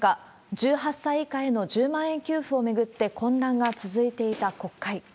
１８歳以下への１０万円給付を巡って混乱が続いていた国会。